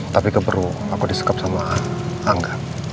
tapi keperlu aku disekap sama angga